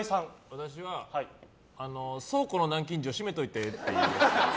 私は倉庫の南京錠締めといてっていう。